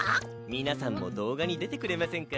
皆さんも動画に出てくれませんか？